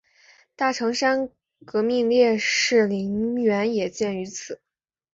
大城山革命烈士陵园也建于此。